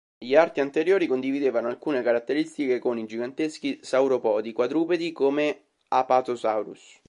Gli arti anteriori condividevano alcune caratteristiche con i giganteschi sauropodi quadrupedi come "Apatosaurus".